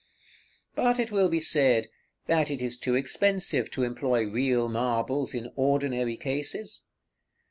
§ XLIV. But it will be said, that it is too expensive to employ real marbles in ordinary cases.